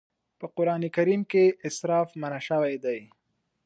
په قرآن کريم کې اسراف منع شوی دی.